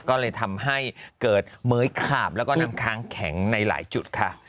ก็เลยทำให้เกิดเม้ยขาบแล้วก็น้ำค้างแข็งในหลายจุดค่ะ